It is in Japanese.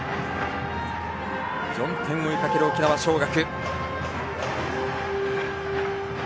４点を追いかける沖縄尚学。